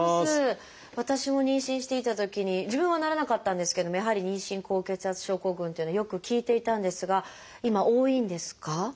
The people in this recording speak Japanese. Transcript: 私も妊娠していたときに自分はならなかったんですけどもやはり妊娠高血圧症候群というのはよく聞いていたんですが今多いんですか？